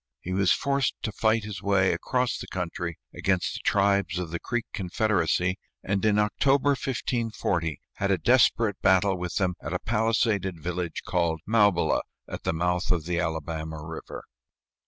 He was forced to fight his way across the country against the tribes of the Creek confederacy, and in October, 1540, had a desperate battle with them at a palisaded village called Maubila, at the mouth of the Alabama River.